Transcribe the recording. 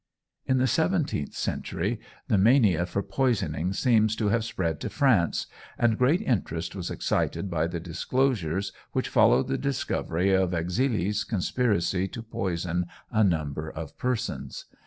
In the seventeenth century the mania for poisoning seems to have spread to France, and great interest was excited by the disclosures which followed the discovery of Exili's conspiracy to poison a number of persons.